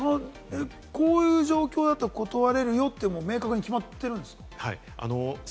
こういう状況だと断れるよって明確に決まってるんですか？